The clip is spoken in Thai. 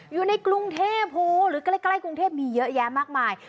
อยู่ในกรุงเทพหรือใกล้กรุงเทพมีเยอะแยะมากมาย